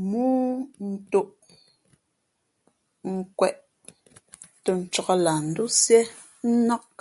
̀mōō ntōʼ nkwēʼ tα ncāk lah ndósiē nák.